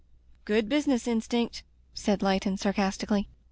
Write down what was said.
"Good business instinct," said Leighton sarcastically.